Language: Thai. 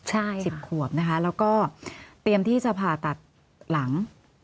แล้วก็เตรียมที่จะผ่าตัดหลัง